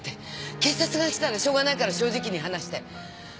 警察が来たらしようがないから正直に話して！